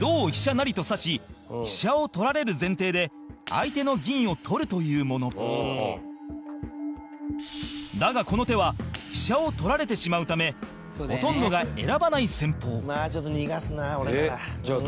成と指し飛車を取られる前提で相手の銀を取るというものだが、この手は飛車を取られてしまうためほとんどが選ばない戦法山崎：ちょっと逃がすなあ俺なら。